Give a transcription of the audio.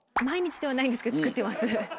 毎日ではないんですけど作ってます。